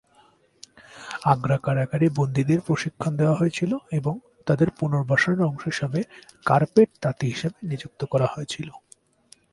আগ্রা কারাগারে বন্দিদের প্রশিক্ষণ দেওয়া হয়েছিল এবং তাদের পুনর্বাসনের অংশ হিসাবে কার্পেট তাঁতি হিসাবে নিযুক্ত করা হয়েছিল।